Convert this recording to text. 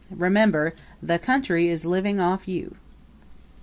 Remember, the country is living off you.